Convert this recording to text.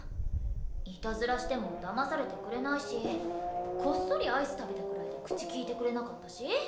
いたずらしてもだまされてくれないしこっそりアイス食べたくらいで口利いてくれなかったし！？